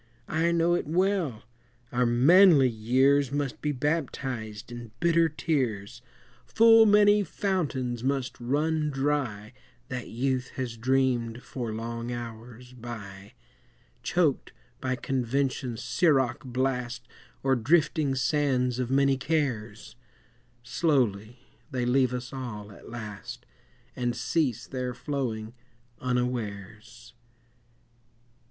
I know it well, our manly years Must be baptized in bitter tears; Full many fountains must run dry That youth has dreamed for long hours by, Choked by convention's siroc blast Or drifting sands of many cares; Slowly they leave us all at last, And cease their flowing unawares.